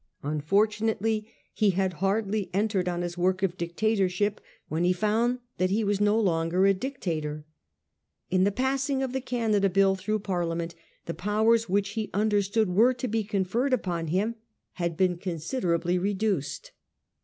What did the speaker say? Unfortunately he had hardly entered on his work of dictatorship when he found that he was no longer a dictator. In the passing of the Canada Bill through Parliament the powers which he understood were to be conferred upon him had been considerably reduced.